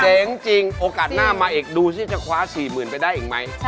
เจ๋งจริงโอกาสหน้ามาอีกดูสิจะคว้า๔๐๐๐ไปได้อีกไหม